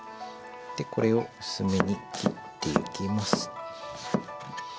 これを薄めに切ってゆきます。